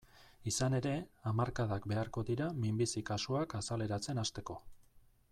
Izan ere, hamarkadak beharko dira minbizi kasuak azaleratzen hasteko.